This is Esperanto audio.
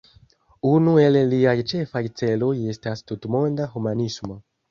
Unu el liaj ĉefaj celoj estas tutmonda humanismo.